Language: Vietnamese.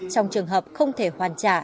trong trường hợp không thể hoàn trả